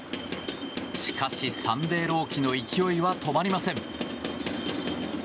しかし、サンデー朗希の勢いは止まりません。